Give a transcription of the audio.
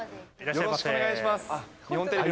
よろしくお願いします。